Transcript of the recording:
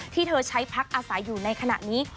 ที่เธอใช้พักอาศัยอยู่ในขณะนี้